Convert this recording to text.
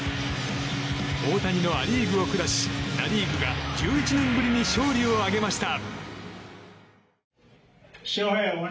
大谷のア・リーグを下しナ・リーグが１１年ぶりに勝利を挙げました。